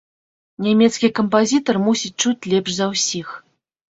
Нямецкі кампазітар мусіць чуць лепш за ўсіх.